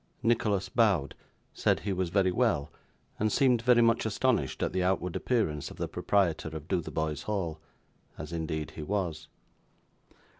Nicholas bowed, said he was very well, and seemed very much astonished at the outward appearance of the proprietor of Dotheboys Hall: as indeed he was.